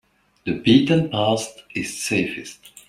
The beaten path is safest.